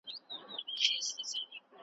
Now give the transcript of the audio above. په ټولۍ کي به د زرکو واویلا وه .